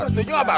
tujuh juga bar